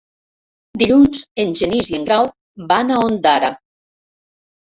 Dilluns en Genís i en Grau van a Ondara.